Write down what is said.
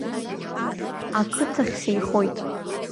Ақыҭахь сеихоит.